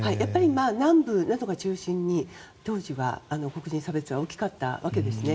南部を中心に当時は、黒人差別は大きかったわけですね。